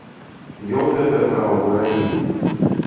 Ён гэтае права зарабіў.